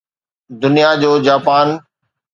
دنيا جو جاپان